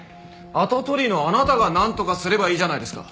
跡取りのあなたがなんとかすればいいじゃないですか。